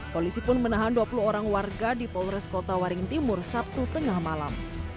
polisi pun menahan dua puluh orang warga di polres kota waring timur sabtu tengah malam